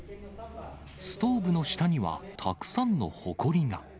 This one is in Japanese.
ストーブの下には、たくさんのほこりが。